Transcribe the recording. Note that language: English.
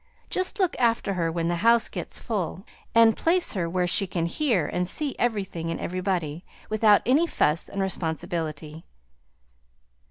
Just look after her when the house gets full, and place her where she can hear and see everything and everybody, without any fuss and responsibility."